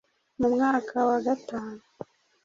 mu mwaka wa gatanu